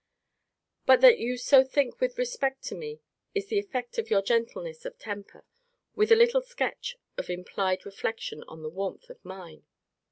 But that you so think with respect to me is the effect of your gentleness of temper, with a little sketch of implied reflection on the warmth of mine.